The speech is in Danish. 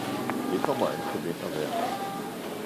Det kommer an på vind og vejr!